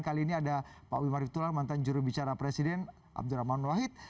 kali ini ada pak wimar ritual mantan jurubicara presiden abdurrahman wahid